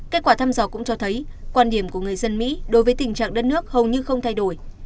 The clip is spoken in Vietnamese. kết quả thăm dò cũng cho thấy quan điểm của người dân mỹ đối với tình trạng đất nước hầu như không thay đổi